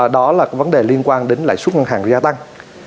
đó là vấn đề liên quan đến lãi suất ngân hàng gia tăng